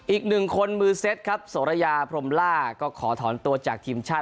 อีกหนึ่งคนมือเซ็ตครับโสระยาพรมล่าก็ขอถอนตัวจากทีมชาติ